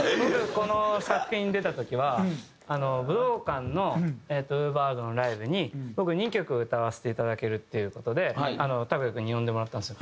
この作品に出た時は武道館のＵＶＥＲｗｏｒｌｄのライブに僕２曲歌わせて頂けるっていう事でＴＡＫＵＹＡ∞君に呼んでもらったんですよ。